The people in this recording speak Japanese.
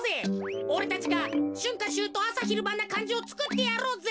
おれたちがしゅんかしゅうとうあさひるばんなかんじをつくってやろうぜ。